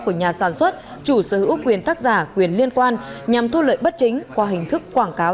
của nhà sản xuất chủ sở hữu quyền tác giả quyền liên quan nhằm thu lợi bất chính qua hình thức quảng cáo